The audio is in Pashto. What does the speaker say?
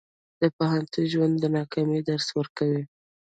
د پوهنتون ژوند د ناکامۍ درس ورکوي.